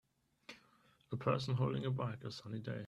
A person holding a bike a sunny day.